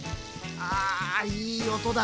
あいい音だ！